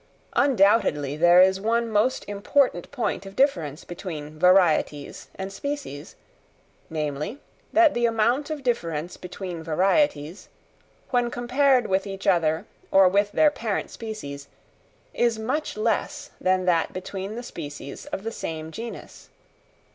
Undoubtedly there is one most important point of difference between varieties and species, namely, that the amount of difference between varieties, when compared with each other or with their parent species, is much less than that between the species of the same genus.